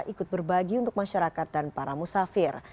ikut berbagi untuk masyarakat dan para musafir